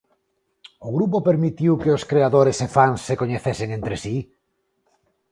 O grupo permitiu que os creadores e fans se coñecesen entre si?